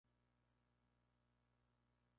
La serie fue transmitida por Crunchyroll en occidente.